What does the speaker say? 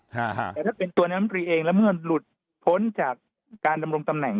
แต่ถ้าเป็นตัวน้ำตรีเองแล้วเมื่อหลุดพ้นจากการดำรงตำแหน่ง